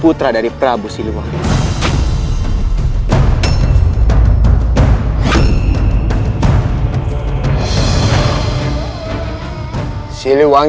putra dari prabu siliwang